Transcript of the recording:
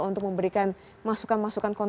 untuk memberikan masukan masukan